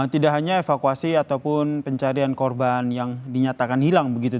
tidak hanya evakuasi ataupun pencarian korban yang dinyatakan hilang begitu